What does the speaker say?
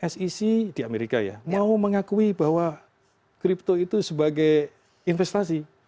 sec di amerika ya mau mengakui bahwa kripto itu sebagai investasi